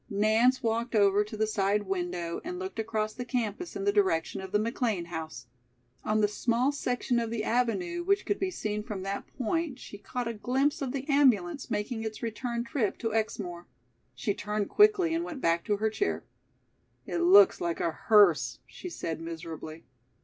Nance walked over to the side window and looked across the campus in the direction of the McLean house. On the small section of the avenue which could be seen from that point she caught a glimpse of the ambulance making its return trip to Exmoor. She turned quickly and went back to her chair. "It looks like a hearse," she said miserably.